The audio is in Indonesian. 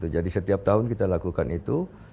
jadi setiap tahun kita lakukan itu